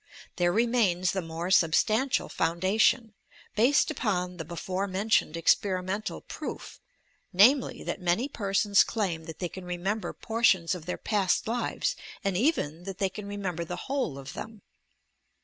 There remains the more substantial foundation, based upon the before mentioned experimental proof, namely, that many persons claim that they can remember por tions of their past lives and even that they can remem ber the whole of them.